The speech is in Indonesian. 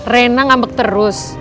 rena ngambek terus